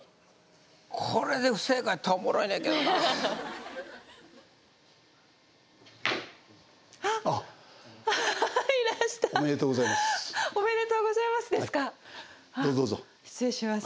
これで不正解やったらおもろいねんけどなははははっあっあっははははっいらした「おめでとうございます」ですかどうぞどうぞ失礼します